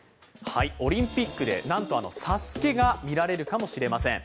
オリンピックでなんとあの「ＳＡＳＵＫＥ」が見られるかもしれません。